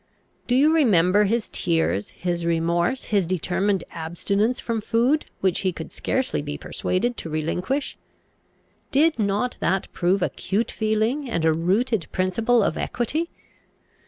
Do you remember his tears, his remorse, his determined abstinence from food, which he could scarcely be persuaded to relinquish? Did not that prove acute feeling and a rooted principle of equity?